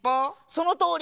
そのとおり！